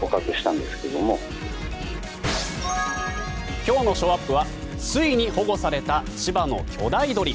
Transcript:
今日のショーアップはついに保護された千葉の巨大鳥。